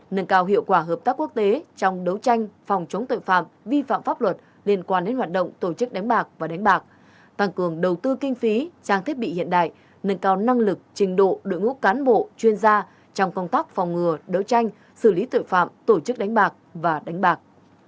nâng cao hiệu quả hợp tác quốc tế trong đấu tranh phòng chống tội phạm vi phạm pháp luật liên quan đến hoạt động tổ chức đánh bạc và đánh bạc tăng cường đầu tư kinh phí trang thiết bị hiện đại nâng cao năng lực trình độ đội ngũ cán bộ chuyên gia trong công tác phòng ngừa đấu tranh xử lý tội phạm tổ chức đánh bạc và đánh bạc